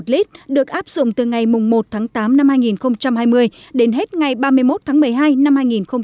một lít được áp dụng từ ngày một tháng tám năm hai nghìn hai mươi đến hết ngày ba mươi một tháng một mươi hai năm hai nghìn hai mươi